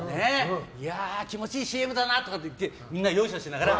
いや、気持ちいいＣＭだねとか言ってみんな、よいしょしながら。